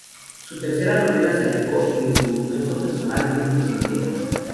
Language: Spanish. Su tercera novela se alejó de su universo personal de mitos y leyendas.